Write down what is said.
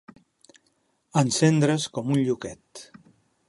Encendre's com un lluquet.